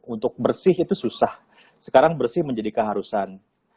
untuk bersih itu susah sekarang bersih menjadi keharusan